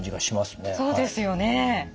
そうですよね。